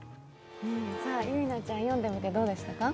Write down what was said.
ゆいなちゃん、読んでみてどうでしたか？